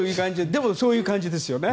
でもそういう感じですね。